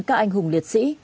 các anh hùng liệt sĩ